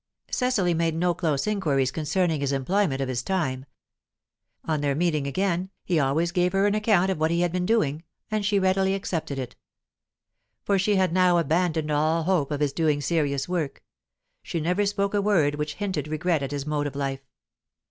Cecily made no close inquiries concerning his employment of his time; on their meeting again, he always gave her an account of what he had been doing, and she readily accepted it. For she had now abandoned all hope of his doing serious work; she never spoke a word which hinted regret at his mode of life.